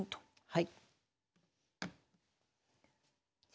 はい。